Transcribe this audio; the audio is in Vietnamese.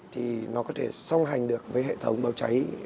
thì nó có thể song hành được với hệ thống báo cháy